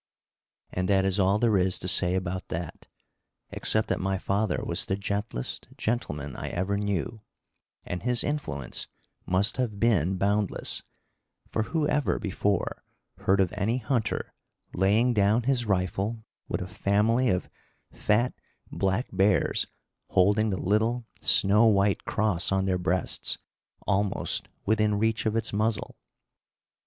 And that is all there is to say about that, except that my father was the gentlest gentleman I ever knew and his influence must have been boundless; for who ever before heard of any hunter laying down his rifle with a family of fat black bears holding the little snow white cross on their breasts almost within reach of its muzzle?